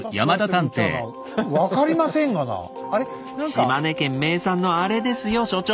島根県名産のあれですよ所長！